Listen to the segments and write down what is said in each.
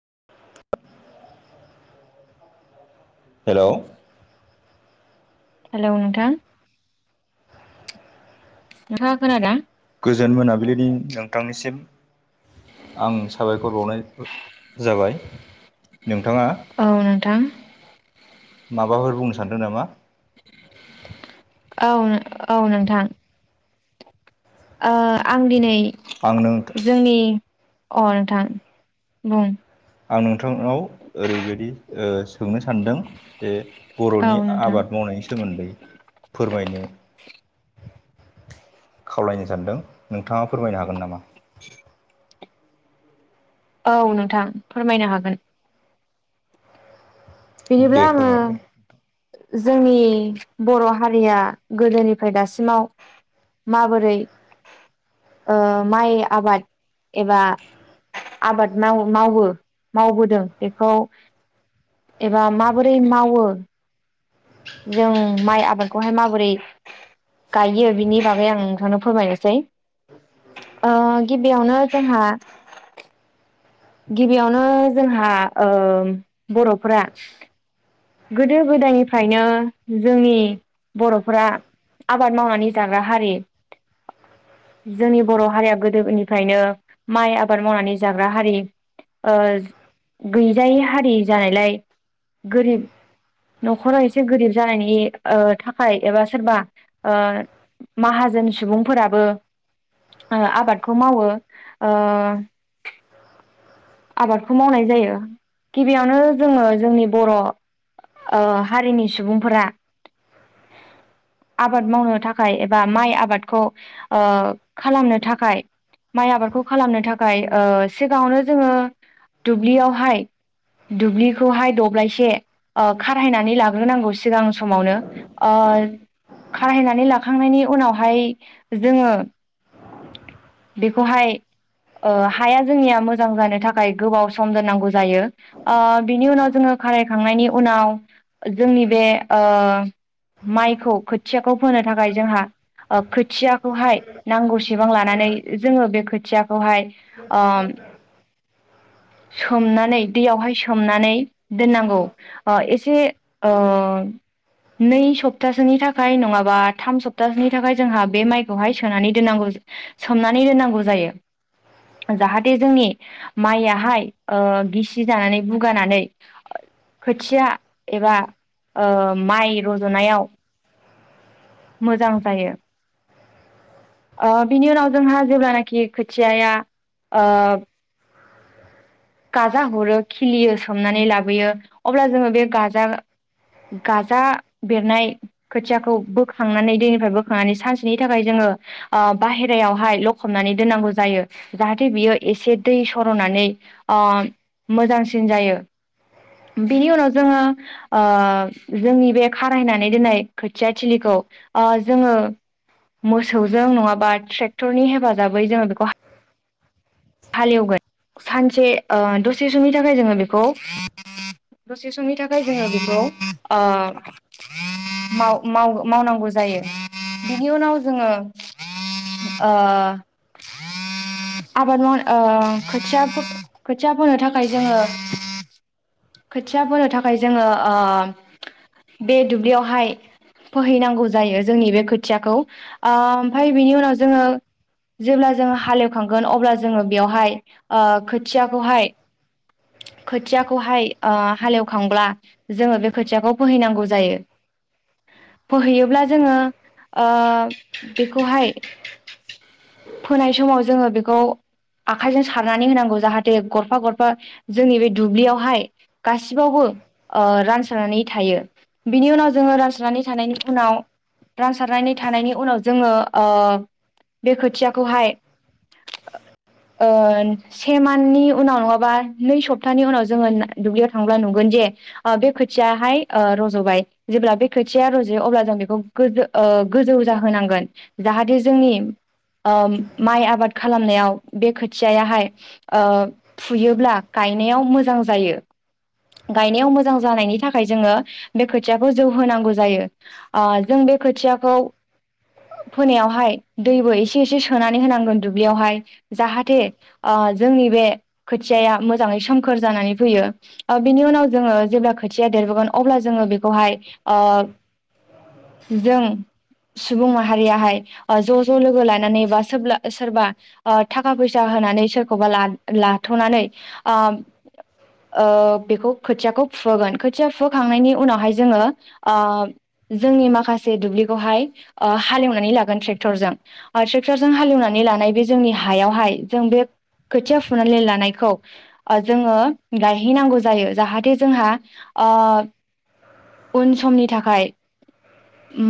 [unintelligible] Hello hello नोंथां। नोंथांआ खोनादोंना? गोजोन मोनाबिलिनि नोंथांनिसिम आं साबायखर बावनाय जाबाय । औ नोंथां। माबाफोर बुंनो सानदों नामा? औ औ नोंथां। ओ आं दिनै आं नों जोंनि अ नोंथां बुं आं नोंथांनाव ओरैबायदि ओ सोंनो सानदों जे औ बर'नि नोंथां आबाद मावनायनि सोमोन्दै । फोरमायनो खावलायनो सानदों नोंथाङा फोरमायनो हागोन नामा? औ नोंथां फोरमायनो हागोन। बिदिब्ला दे आंङो फोरमायदो जोंनि बर' हारिया गोदोनिफ्राय दासिमाव माबोरै ओ माइ आबाद एबा आबाद माव मावो मावबोदों बेखौ एबा माबोरै मावो जों माइ आबादखौहाय माबोरै गायो बिनि बागै आं नोंथांनो फोरमायनोसै । ओ गिबियावनो जोंहा । गिबियावनो जोंहा ओ बर'फोरा गोदो गोदायनिफ्रायनो जोंनि बर'फोरा । आबाद मावनानै जाग्रा हारि । जोंनि बर' हारिया गोदोनिफ्रायनो माइ आबाद मावनानै जाग्रा हारि। ओ गैजायै हारि जानायलाय गोरिब न'खराव एसे गोरिब जानायनि ओ थाखाय एबा सोरबा ओ माहाजोन सुबुंफोराबो ओ आबादखौ मावो ओ आबादखौ मावनाय जायो गिबियावनो जोङो जोंनि बर' ओ हारिनि सुबुंफोरा [inaudible] आबाद मावनो थाखाय एबा माइ आबादखौ खालामनो थाखाय माइ आबादखौ खालामनो थाखाय ओ सिगाङावनो जोङो दुब्लियावहाय दुब्लिखौहाय दब्लायसे अ खारहायनानै लाग्रोनांगौ सिगां समावनो आ खारहायनानै लाखांनायनि उनावहाय जोङो बेखौहाय ओ हाया जोंनिया मोजां मोजां जानो थाखाय गोबाव सम दोननांगौ जायो आ बिनि उनाव जोङो खारायखांनायनि उनाव जोंनि बे आ माइखौ खोथियाखौ फोनो थाखाय जोंहा खोथियाखौहाय नांगौसेबां लानानै जोङो बे खोथियाखौ हाय [unintelligible] सोमनानै दैयावहाय सोमनानै दोननांगौ ओ एसे ओ नै सप्तसोनि थाखाय नङाबा थाम सप्तसोनि थाखाय जोंहा बे माइखौहाय सोनानै दोननांगौ ज सोमनानै दोननांगौ जायो जाहाथे जोंनि माइआहाय ओ गिसि जानानै बुगानानै खोथिया एबा ओ माइ रजनायाव मोजां जायो ओ बिनि उनाव जोंहा जेब्लानाखि खोथियाया ओब गाजा हरो खिलियो सोमनानै लाबोयो अब्ला जोङो बे गाजा गाजा बेरनाय खोथियाखौ बोखांनानै दैनिफ्राय बोखांनानै सानसेनि थाखाय जोङो ओ बाहेरायावहाय लखबनानै दोननांगौ जायो जाहाथे बियो एसे दै सरनानै ओम मोजांसिन जायो। बिनि उनाव जोङो ओ जोंनि बे खारायनानै दोननाय खोथिया थिलिखौ ओ जोङो मोसौजों नङाबा ट्रेक्टरनि हेफाजाबै जोङो बेखौ हा हालेवगोन सानसे ओ दसे समनि थाखाय जोङो बेखौ दसे समनि थाखाय जोङो बेखौ ओ माव-माव-मावनांगौ जायो बिनि उनाव जोङो ओ आबाद मावनो ओ खोथिया फो खोथिया फोनो थाखाय जोङो खोथिया फोनो थाखाय जोङो ओ बे दुब्लियावहाय फोहैनांगौ जायो जोंनि बे खोथियाखौ ओ ओमफाय बिनि उनाव जोङो जेब्ला जोङो हालेवखांगोन अब्ला जोङो बेवहाय ओ खोथियाखौहाय [inaudible] खोथियाखौहाय ओ हालेवखांब्ला जोङो बे खोथियाखौ फोहैनांगौ जायो। फोहैयोब्ला जोङो ओ‌ बेखौहाय फोनाय समाव जोङो बेखौ आखाइजों सारनानै होनांगौ जाहाथे गरफा गरफा जोंनि बे दुब्लियावहाय गासिबावबो ओ रानसारनानै थायो बिनि उनाव जों जोङो रानसारनानै थानायनि उनाव रानसारनानै थानायनि उनाव जोङो ओ बे खोथियाखौहाय ओन से मान्थनि उनाव नङाबा नै सप्तानि उनाव जोङो नाय दुब्लियाव थांब्ला नुगोन जे ओ बे खोथियाहाय ओ रजबाय जेब्ला बे खोथिया रजयो अब्ला जों बेखौ गोजों ओ गोजौ जाहोनांगोन जाहाथे जोंनि ओम माइ आबाद खालामनायाव बे खोथियाहाय ओ फुयोब्ला गायनायाव मोजां जायो। गायनायाव मोजां जानायनि थाखाय जोङो बे खोथियाखौ जौ होनांगौ जायो जों बे खोथियाखौ फोनायावहाय दैबो एसे एसे सोनानै होनांगोन दुब्लियावहाय जाहाथे ओ जोंनि बे खोथियाया मोज मोजाङै सोमखोर जानानै फैयो ओ बिनि उनाव जोङो जेब्ला खोथिया देरबोगोन अब्ला जोङो बेखौहाय ओ जों सुबुं माहारियाहाय ओ ज ज लोगो लानानै बा सोब्ला सोरबा ओ थाखा फैसा होनानै सोरखौबा लाद लाथनानै ओम ओ बेखौ खोथियाखौ फुहोगोन खोथिया फुहोखांनायनि उनावहाय जोङो ओ जोंनि माखासे दुब्लिखौहाय ओ हालेवनानै लागोन ट्रेक्टरजों ट्रेक्टरजों ओ हालेवनानै लानाय बे जोंनि हायावहाय जों बे खोथिया फुनानै लानायखौ ओ जोङो गायहैनांगौ जायो जाहाथे जोंहा ओ उन समनि थाखाय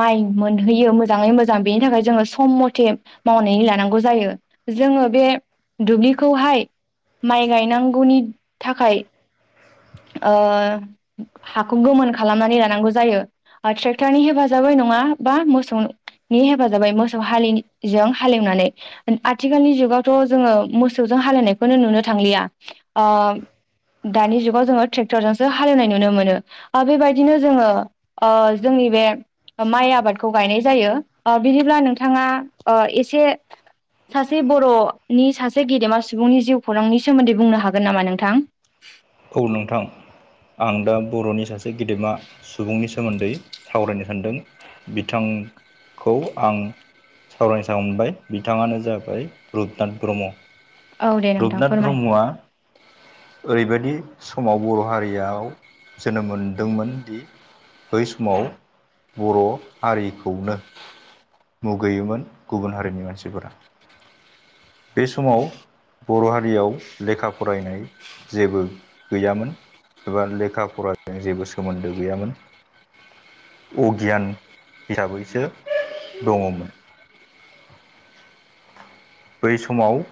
माइ मोनहैयो मोजाङै मोजां बेनि थाखाय जोङो सम मथे मावनानै लानांगौ जायो। जोङो बे दुब्लिखौहाय माइ गायनां गौनि थाखाय ओ हाखौ गोमोन खालामनानै लानांगौ जायो ओ ट्रेक्टरनि हेफाजाबै नङा बा मोसौनो नि हेफाजाबै मोसौ हालिजों हाल एवनानै आथिखालनि जुगावथ' जोङो मोसौजों हाल एवनायखौनो नुनो थांलिया ओ दानि जुगाव जोङो ट्रेक्टरजोंसो हाल एवनाय नुनो मोनो ओ बेबायदिनो जोङो ओ जोंनि बे माइ आबादखौ गायनाय जायो ओ बिदिब्ला नोंथाङा ओ एसे सासे बर'नि सासे गेदेमा सुबुंनि जिउ खौरांनि सोमोन्दै बुंनो हागोन नामा नोंथां? औ नोंथां। आं दा बर'नि सासे गेदेमा सुबुंनि सोमोन्दै सावरायनो सानदों। बिथांखौ आं सावरायनो सानबाय बिथाङानो जाबाय रुपनाथ ब्रह्म। औ दे नोंथां रुपनाथ फोरमाय ब्रह्मआ ओरैबायदि दि समाव बर' हारियाव जोनोम मोनदोंमोन दि। बै समाव बर' हारिखौनो मुगैयोमोन गुबुन हारिनि मानसिफोरा। बे समाव बर' हारियाव लेखा फरायनाय जेबो गैयामोन। एबा लेखा फराजों जेबो सोमोन्दो गैयामोन। अगियान हिसाबैसो दङमोन। बै समाव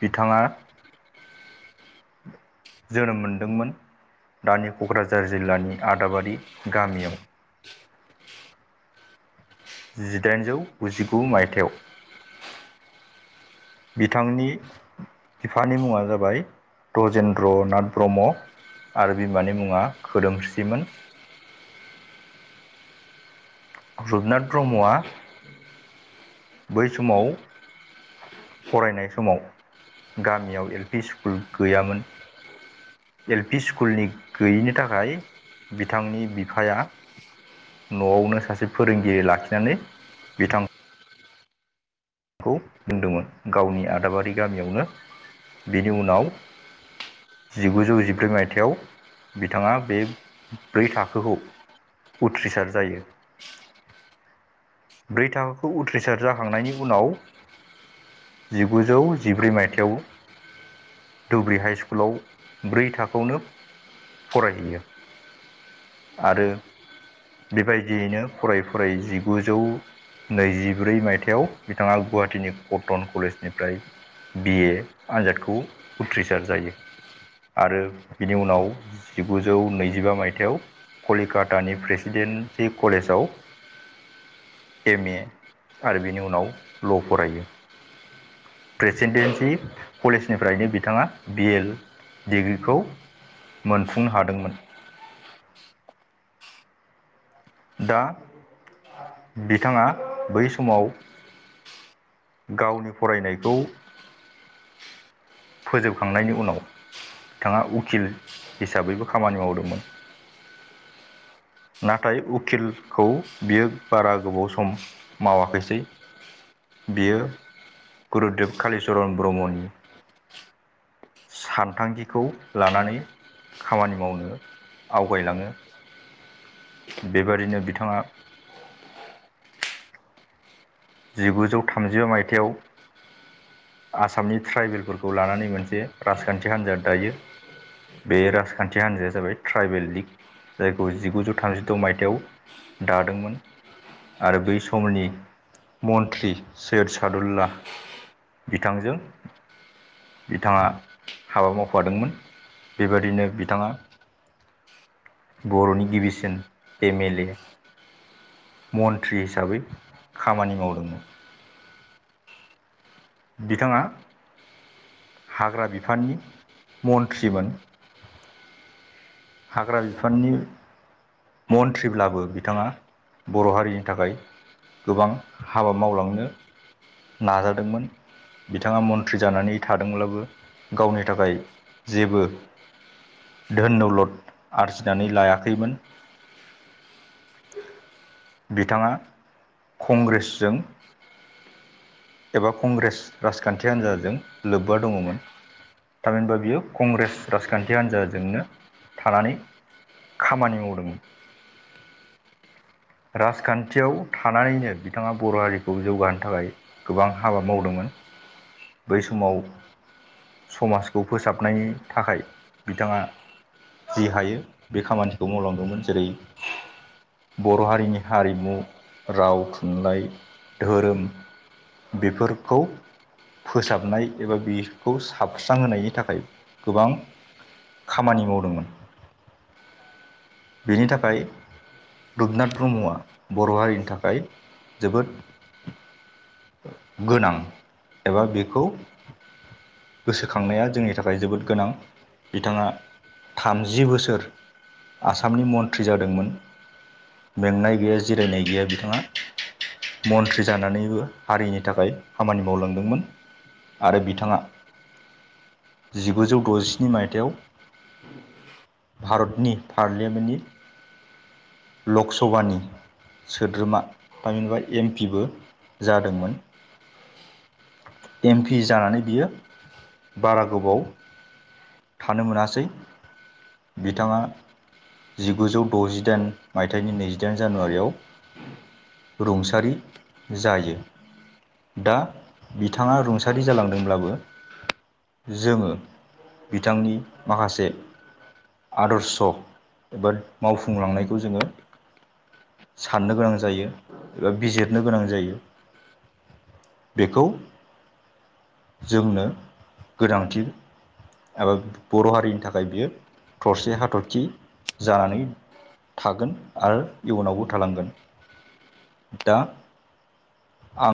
बिथाङा जोनोम मोनदोंमोन। दानि क'क्राझार जिल्लानि आदाबारि गामियाव। जिदाइनजौ गुजिगु माइथायाव। बिथांनि बिफानि मुङा जाबाय दजेन्द्र नाथ ब्रह्म आरो बिमानि मुङा खोदोमस्रिमोन। रुपनाथ ब्रह्मआ बै समाव फरायनाय समाव गामियाव एल पि स्कुल गैयामोन। एल पि स्कुलनि गैयिनि थाखाय बिथांनि बिफाया न'आवनो सासे फोरोंगिरि लाखिनानै बिथां खौ बुंदोंमोन गावनि आदाबारि गामियावनो बेनि उनाव जिगुजौ जिब्रै मायथायाइयाव बिथाङा बे ब्रै थाखोखौ उथ्रिसार जायो ब्रै थाखोखौ उथ्रिसार जाखांनायनि उनाव जिगुजौ जिब्रै माइथायाव धुब्रि हाइ स्कुलाव ब्रै थाखोआवनो फरायहैयो। आरो बेबायदियैनो फराय फरायै जिगुजौ नैजिब्रै मायथायाव बिथाङा गुवाहाटीनि कटन कलेजनिफ्राय बि ए आनजादखौ उथ्रिसार जायो। आरो बिनि उनाव जिगुजौ नैजिबा मायथायाइयाव कलिकातानि प्रेसिडेन्सि कलेजाव एम ए आरो बिनि उनाव ल' फरायो। प्रेसिडेन्सि कलेजनिफ्रायनो बिथाङा बि एल डिग्रिखौ मोनफुंनो हादोंमोन। दा बिथाङा बै समाव गावनि फरायनायखौ फोजोबखांनायनि उनाव बिथाङा उकिल हिसाबैबो खामानि मावदोंमोन। नाथाय उकिलखौ बियो बारा गोबाव सम मावाखिसै बियो गुरुदेब कालिचरन ब्रह्मनि सानथांखिखौ लानानै खामानि मावनो आवगायलाङो। बेबादिनो बिथाङा जिगुजौ थामजिबा मायथायाइयाव आसामनि ट्राइबेलफोरखौ लानानै मोनसे राजखान्थि हान्जाद दायो। बे राजखान्थि हान्जाया जाबाय ट्राइबेल लिग जायखौ जिगुजौ थामजिद' मायथाइयाव दादोंमोन। आरो बै समनि मन्त्रि सयद सादुल्ला बिथांजों बिथाङा हाबा मावफादोंमोन। बेबादिनो बिथाङा बर'नि गिबिसिन एम एले मन्त्रि हिसाबै खामानि मावदों। बिथाङा हाग्रा बिफाननि मन्त्रिमोन। हाग्रा बिफाननि मन्थ्रिब्लाबो बिथाङा बर' हारिनि थाखाय गोबां हाबा मावलांनो नाजादोंमोन। बिथाङा मन्थ्रि जानानै थादोंब्लाबो गावनि थाखाय जेबो धोन नलद आरजिनानै लायाखैमोन। बिथाङा कंग्रेसजों एबा कंग्रेस राजखान्थि हान्जाजों लोब्बा दङमोन। थामहिनबा बियो कंग्रेस राजखान्थि हान्जाजोंनो थानानै खामानि मावदोंमोन। राजखान्थियाव थानानैनो बिथाङा बर' हारिखौ जौगाहोनो थाखाय गोबां हाबा मावदोंमोन। बै समाव समाजखौ फोसाबनायनि थाखाय बिथाङा जि हायो बे खामानिखौ मावलांदोंमोन जेरै- बर' हारिनि हारिमु राव थुनलाइ धोरोम बेफोरखौ फोसाबनाय एबा बेखौ साबस्रांहोनायनि थाखाय गोबां खामानि मावदोंमोन बेनि थाखाय रुपनाथ ब्रह्मआ बर' हारिनि थाखाय जोबोद गोनां एबा बेखौ गोसोखांनाया जोंनि थाखाय जोबोद गोनां बिथाङा थामजि बोसोर आसामनि मन्त्रि जादोंमोन। मेंनाय गैया जिरायनाय गैया बिथाङा मन्थ्रि जानानैबो हारिनि थाखाय खामानि मावलांदोंमोन आरो बिथाङा जिगुजौ द'जिस्नि मायथायाइाव [inaudible] भारतनि पार्लियामेन्टनि लकसभानि सोद्रोमा थामिनबा एम पिबो जादोंमोन एम पि जानानै बियो बारा गोबाव थानो मोनासै बिथाङा जिगुजौ द'जिदाइन मायथायाइनि नैजिदाइन जानुवारियाव रुंसारि जायो दा बिथाङा रुंसारि जालांदोंब्लाबो जोङो बिथांनि माखासे आदर्श एबा मावफुंलांनायखौ जोङो साननो गोनां जायो एबा बिजिरनो गोनां जायो। बेखौ जोंनो गोनांथि एबा बर' हारिनि थाखाय बियो थरसे हाथरखि जानानै थागोन आरो इयुनावबो थालांगोन। दा आं